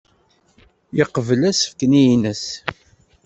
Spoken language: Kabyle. Yeqbel asefk-nni-nnes.